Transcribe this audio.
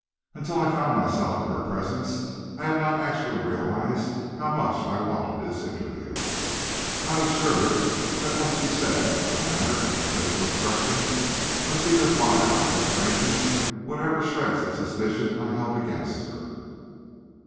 Until I found myself in her presence I had not actually realized how much I wanted this interview. I was sure that what she said, her manner and her facial expression, must either blot out or strengthen whatever shreds of suspicion I held against her.